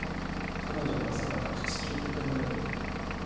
彼女が朝から口利いてくれないんだよ。